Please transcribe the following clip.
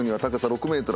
６ｍ